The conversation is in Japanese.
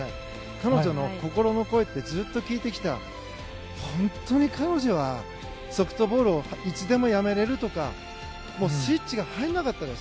彼女の心の声をずっと聞いてきて本当に、彼女はソフトボールをいつでもやめられるとかスイッチが入らなかったです。